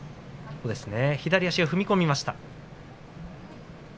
左足踏み込みました。